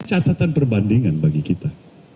catatan perbandingan bagi kita